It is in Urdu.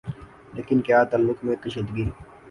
لیکن کیا تعلقات میں کشیدگی